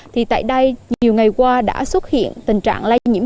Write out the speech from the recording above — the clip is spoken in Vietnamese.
thì tại đây nhiều ngày qua đã xuất hiện tình trạng lây nhiễm